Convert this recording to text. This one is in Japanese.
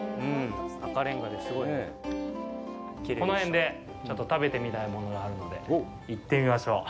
この辺でちょっと食べてみたいものがあるので、行ってみましょう。